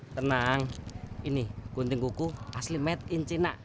tenang ini gunting kuku asli made in china